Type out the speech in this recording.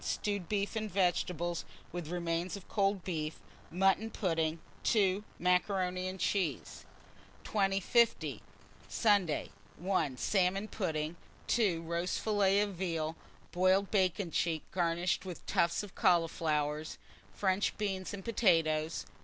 Stewed beef and vegetables, with remains of cold beef; mutton pudding. 2. Macaroni and cheese. 2050. Sunday. 1. Salmon pudding. 2. Roast fillet of veal, boiled bacon cheek garnished with tufts of cauliflowers, French beans and potatoes.